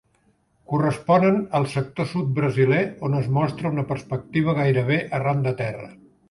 Corresponen al sector sud brasiler on es mostra una perspectiva gairebé arran de terra.